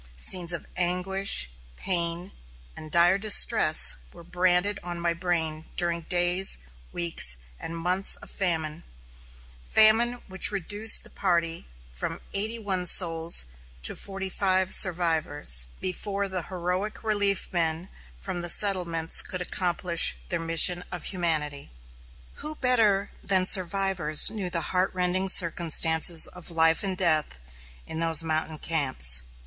Scenes of anguish, pain, and dire distress were branded on my brain during days, weeks, and months of famine, famine which reduced the party from eighty one souls to forty five survivors, before the heroic relief men from the settlements could accomplish their mission of humanity. Who better than survivors knew the heart rending circumstances of life and death in those mountain camps?